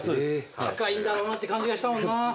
高いんだろうなって感じがしたもんな。